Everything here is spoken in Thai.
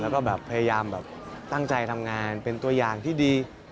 แล้วก็แบบพยายามแบบตั้งใจทำงานเป็นตัวอย่างที่ดี